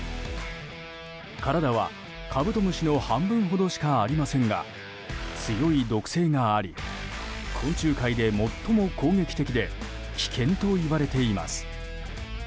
体はカブトムシの半分ほどしかありませんが強い毒性があり昆虫界で最も攻撃的で危険といわれています。